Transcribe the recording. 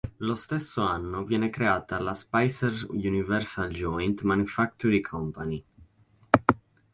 Lo stesso anno viene creata la Spicer Universal Joint Manufacturing Company.